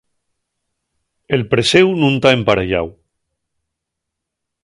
El preséu nun ta empareyáu.